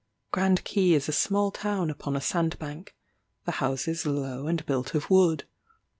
Grand Quay is a small town upon a sandbank; the houses low and built of wood.